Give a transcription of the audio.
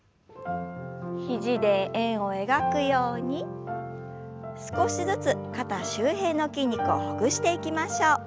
肘で円を描くように少しずつ肩周辺の筋肉をほぐしていきましょう。